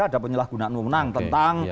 ada penyalahgunaan unang tentang